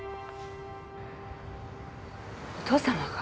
お父様が？